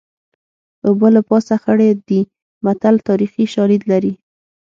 اوبه له پاسه خړې دي متل تاریخي شالید لري